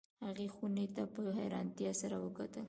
هغې خونې ته په حیرانتیا سره وکتل